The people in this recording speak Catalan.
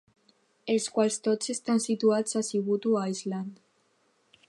Els quals tots estan situats a Sibutu Island.